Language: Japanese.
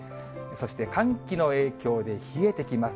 そして、寒気の影響で冷えてきます。